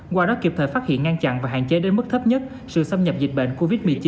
qua đó kịp thời phát hiện ngăn chặn và hạn chế đến mức thấp nhất sự xâm nhập dịch bệnh covid một mươi chín